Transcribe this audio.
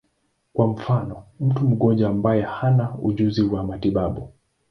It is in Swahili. Kwa mfano, mtu mgonjwa ambaye hana ujuzi wa matibabu.